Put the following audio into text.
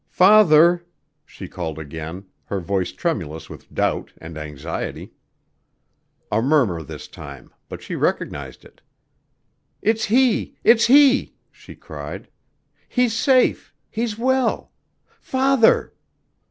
"Father!" she called again, her voice tremulous with doubt and anxiety. A murmur this time, but she recognized it. "It's he! it's he," she cried. "He's safe; he's well. _Father!